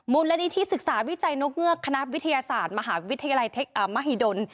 มูลนิธิศึกษาวิจัยนกเงือกคณะวิทยาศาสตร์มหาวิทยาลัยมหิดล